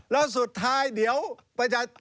และสุดท้ายเดี๋ยวมาจะ